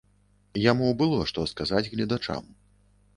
Яму было што сказаць гледачам.